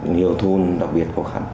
nhiều thôn đặc biệt khó khăn